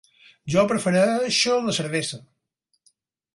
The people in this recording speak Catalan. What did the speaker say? Jo prefereixo la cervesa.